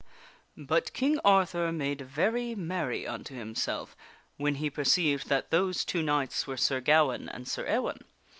But King Arthur made very merry unto himself when he perceived that those two knights were Sir Gawaine and Sir Ewaine.